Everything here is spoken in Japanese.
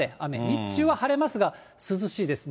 日中は晴れますが、涼しいです。